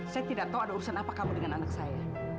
saya tidak tahu ada urusan apa kamu dengan anak saya